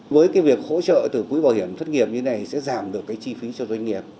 với cái việc hỗ trợ từ quỹ bảo hiểm thất nghiệp như thế này sẽ giảm được cái chi phí cho doanh nghiệp